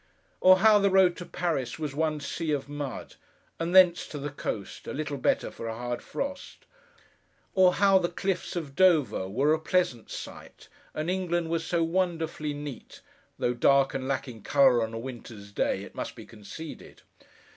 Or how the road to Paris, was one sea of mud, and thence to the coast, a little better for a hard frost. Or how the cliffs of Dover were a pleasant sight, and England was so wonderfully neat—though dark, and lacking colour on a winter's day, it must be conceded.